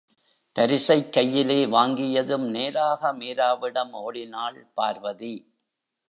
பரிசைக் கையிலே வாங்கியதும் நேராக மீராவிடம் ஒடினாள் பார்வதி.